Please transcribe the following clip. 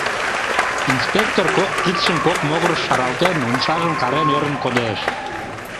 Инспектор, кок кидшым кок могырыш шаралтен, умшажым карен, ӧрын кодеш.